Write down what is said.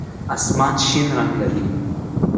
آسمان شین رنګ لري.